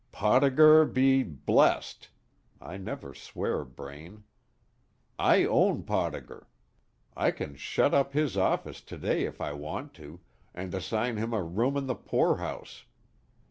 "Podauger be blessed! (I never swear, Braine.) I own Podauger. I can shut up his office to day if I want to, and assign him a room in the poorhouse.